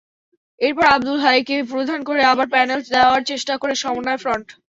এরপর আবদুল হাইকে প্রধান করে আবার প্যানেল দেওয়ার চেষ্টা করে সমন্বয় ফ্রন্ট।